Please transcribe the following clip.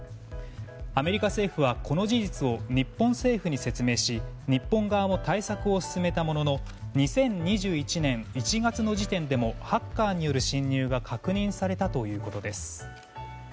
アメリカ政府はこの事実を日本政府に説明し日本側も対策を進めたものの２０２１年１月の時点でもハッカーによる侵入が確認されたということです。